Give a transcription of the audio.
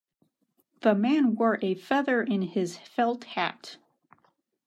The man wore a feather in his felt hat.